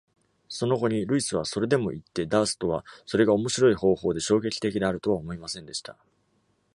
その後に、ルイスはそれでも言って、ダーストは、それが面白い方法で衝撃的であるとは思いませんでした。